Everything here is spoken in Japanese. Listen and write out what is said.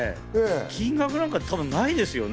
金額なんか多分ないですよね。